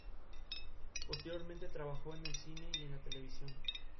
Jacopo dal Verme se sitúa en Lodi para detener a Hawkwood.